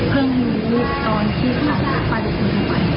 เพิ่งรู้ตอนที่เขาปราดุคุณไป